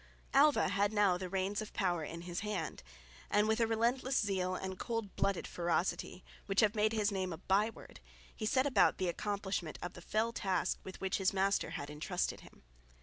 Alva had now the reins of power in his hand, and with a relentless zeal and cold blooded ferocity, which have made his name a by word, he set about the accomplishment of the fell task with which his master had entrusted him.